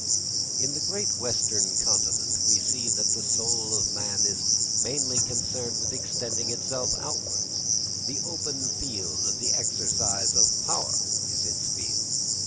In the great western continent we see that the soul of man is mainly concerned with extending itself outwards; the open field of the exercise of power is its field.